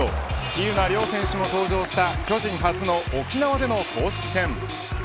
喜友名諒選手も登場した巨人初の沖縄での公式戦。